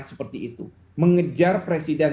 seperti itu mengejar presiden